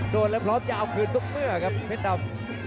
โดนแล้วพร้อมจะเอาคืนทุกเมื่อครับเพชรดำ